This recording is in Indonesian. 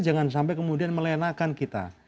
jangan sampai kemudian melenakan kita